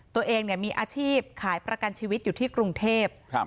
ตัวเองเนี่ยมีอาชีพขายประกันชีวิตอยู่ที่กรุงเทพ